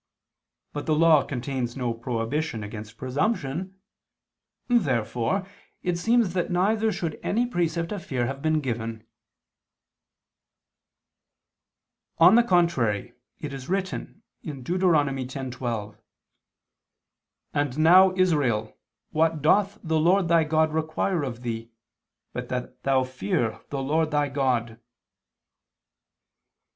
But the Law contains no prohibition against presumption. Therefore it seems that neither should any precept of fear have been given. On the contrary, It is written (Deut. 10:12): "And now, Israel, what doth the Lord thy God require of thee, but that thou fear the Lord thy God?"